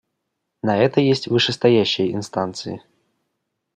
На это есть вышестоящие инстанции.